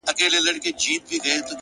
هوښیار فکر د راتلونکي خطر کموي،